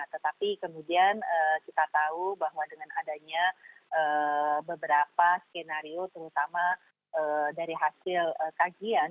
tetapi kemudian kita tahu bahwa dengan adanya beberapa skenario terutama dari hasil kajian